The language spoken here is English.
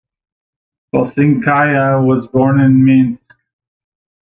Boginskaya was born in Minsk.